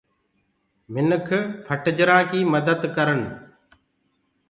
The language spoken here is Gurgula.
مِنک ڦٽجلآنٚ ڪي مدت ڪرن۔